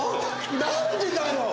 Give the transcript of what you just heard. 何でだよ！